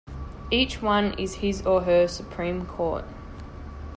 Each one is his or her supreme court.